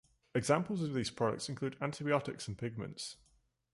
Examples of the products include antibiotics and pigments.